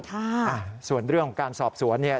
ค่ะส่วนเรื่องของการสอบสวนเนี่ย